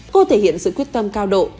cô thể hiện sự quyết tâm cao độ